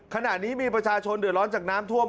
ขณะนี้มีประชาชนเดือดร้อนจากน้ำท่วม